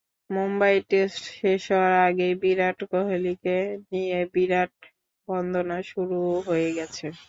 Mumbai test শেষ হওয়ার আগেই বিরাট কোহলিকে নিয়ে বিরাট-বন্দনা শুরু হয়ে গেছে।